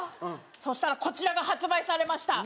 そしたらこちらが発売されました。